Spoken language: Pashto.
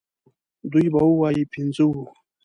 دوی به ووايي پنځه وو.